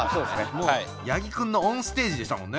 もう八木君のオンステージでしたもんね。